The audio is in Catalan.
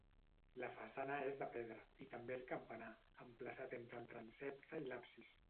La façana és de pedra, i també el campanar, emplaçat entre el transsepte i l'absis.